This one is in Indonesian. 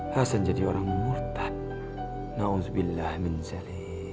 hasan jadi orang murtad